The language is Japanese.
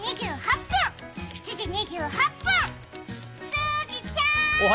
スギちゃん！